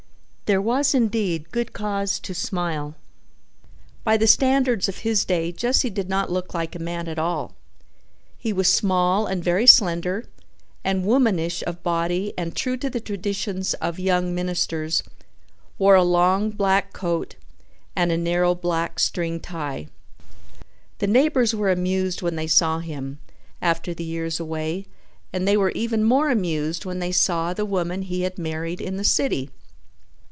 There was indeed good cause to smile. By the standards of his day Jesse did not look like a man at all. He was small and very slender and womanish of body and, true to the traditions of young ministers, wore a long black coat and a narrow black string tie. The neighbors were amused when they saw him, after the years away, and they were even more amused when they saw the woman he had married in the city.